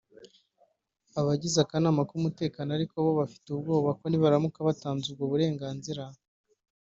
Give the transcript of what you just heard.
Abagize akana k’umutekano ariko bo bafite ubwoba ko nibaramuka batanze ubwo burenganzira